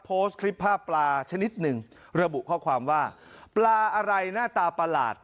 โพสต์คลิปภาพปลาชนิดหนึ่งระบุข้อความว่าปลาอะไรหน้าตาประหลาด